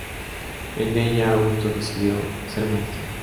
En ella Augusto decidió ser maestro.